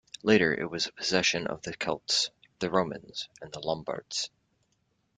Later it was a possession of the Celts, the Romans and the Lombards.